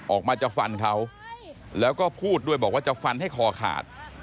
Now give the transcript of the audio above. ออกมาจะฟันเขาแล้วก็พูดด้วยบอกว่าจะฟันให้คอขาด